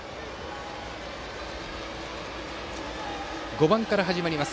５番から始まります。